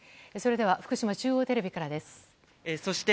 それでは福島中央テレビからです。